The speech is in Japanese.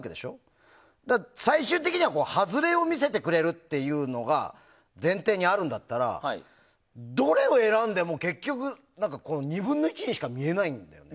最終的には外れを見せてくれるっていうのが前提にあるんだったらどれを選んでも結局、２分の１にしか見えないんだよね。